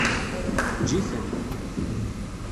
Eǧǧ-iten.